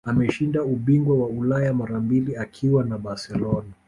Ameshinda ubingwa wa Ulaya mara mbili akiwa na Barcelona